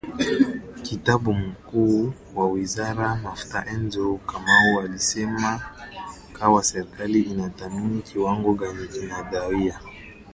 Katibu Mkuu wa Wizara ya Mafuta Andrew Kamau alisema kuwa serikali inatathmini kiwango gani kinadaiwa na mchakato huo unaweza kuchukua zaidi ya mwezi mmoja